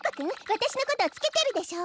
わたしのことをつけてるでしょ！